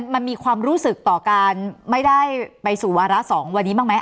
มันมีความรู้สึกต่อการไม่ได้ไปสู่วาระ๒วันนี้บ้างไหม